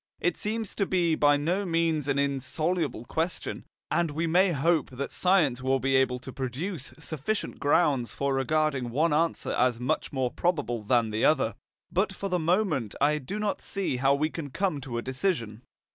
It seems to be by no means an insoluble question, and we may hope that science will be able to produce sufficient grounds for regarding one answer as much more probable than the other. But for the moment I do not see how we can come to a decision.